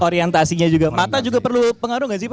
orientasinya juga mata juga perlu pengaruh gak sih pak